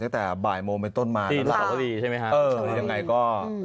ตั้งแต่บ่ายโมงไปต้นมาแล้วหรือเปล่าใช่ไหมครับใช่